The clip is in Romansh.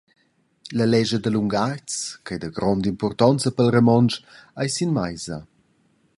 La lescha da lungatgs –ch’ei da gronda impurtonza pil romontsch –ei sin meisa.